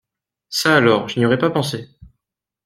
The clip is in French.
Ça alors, je n’y aurais pas pensé!